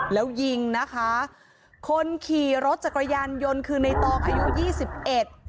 แล้วยิงนะคะคนขี่รถจักรยานยนต์คือในตองอายุยี่สิบเอ็ด